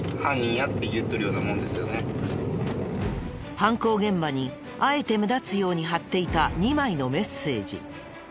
犯行現場にあえて目立つように貼っていた２枚のメッセージ。